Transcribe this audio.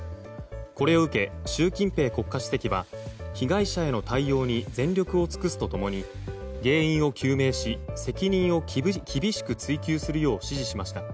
これを受け習近平国家主席は被害者への対応に全力を尽くすと共に原因を究明し、責任を厳しく追及するよう指示しました。